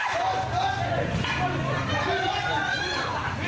ไอพลลีกว้างของลุ่มก็รึไง